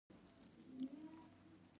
ماهیان پکې وي.